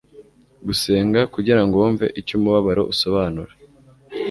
gusenga kugirango wumve icyo umubabaro usobanura